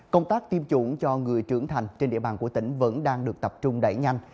công tác tiêm chủng cho người trưởng thành trên địa bàn của tỉnh vẫn đang được tập trung đẩy nhanh